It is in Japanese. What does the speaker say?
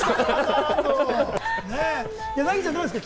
凪ちゃん、どうですか？